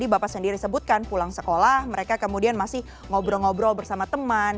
bapak sendiri sebutkan pulang sekolah mereka kemudian masih ngobrol ngobrol bersama teman